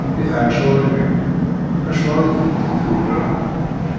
I tɛencuṛin-iw, acuɣer i tent-id-tukwreḍ?